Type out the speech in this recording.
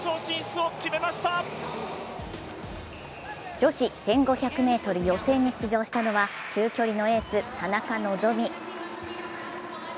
女子１５００ｍ予選に出場したのは中距離のエース・田中希実。